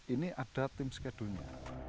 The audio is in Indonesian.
ini ada tim skedulnya